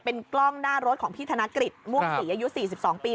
เป็นกล้องหน้ารถของพี่ธนกฤษม่วงศรีอายุ๔๒ปี